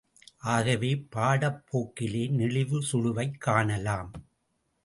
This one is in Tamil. ஆகவே பாடப் போக்கிலே, நெளிவு சுளுவைக் காணலாம்.